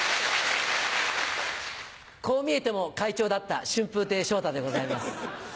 こう見えても会長だった春風亭昇太でございます。